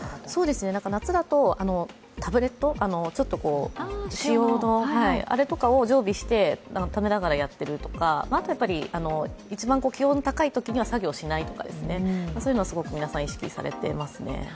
夏だと、タブレットを常備して食べながらやってるとか、何といっても一番気温の高いときには作業しないとか、そういうのを皆さんすごく意識されていますね。